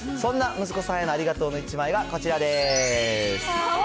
そんな息子さんへのありがとうの１枚がこちらです。